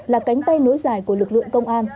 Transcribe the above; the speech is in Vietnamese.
là cánh tay nối dài của lực lượng công an